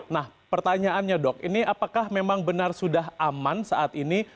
nah pertanyaannya dok ini apakah memang benar sudah aman saat ini